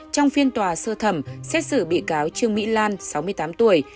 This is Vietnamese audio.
trong phiên tòa sơ thẩm xét xử bị cáo trương mỹ lan sáu mươi tám tuổi